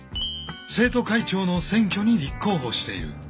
生徒会長の選挙に立候補している。